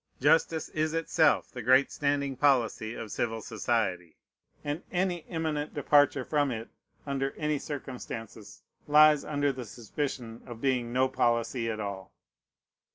Justice is itself the great standing policy of civil society; and any eminent departure from it, under any circumstances, lies under the suspicion of being no policy at all.